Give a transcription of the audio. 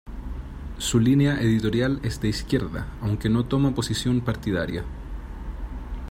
Su línea editorial es de izquierda, aunque no toma posición partidaria.